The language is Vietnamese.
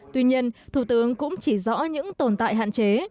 tuy nhiên thủ tướng cũng chỉ rõ những tồn tại hạn chế